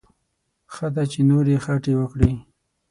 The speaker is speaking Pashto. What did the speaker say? ښه ده چې نورې خټې وکړي.